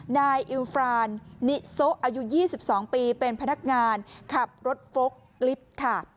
นายอิลฟรานนิโซะอายุ๒๒ปีเป็นพนักงานขับรถฟลกลิฟต์ค่ะ